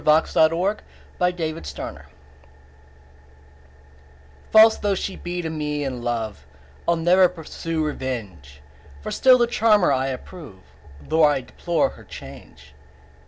False though She be FALSE though she be to me and love, I'll ne'er pursue revenge; For still the charmer I approve, Though I deplore her change.